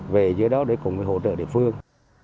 về dưới đó để cùng với hỗ trợ địa phương